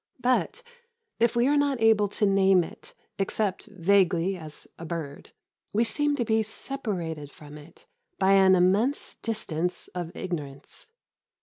But if we are not able to name it except vaguely as a "bird," we seem to be separated from it by an immense distance of ignorance.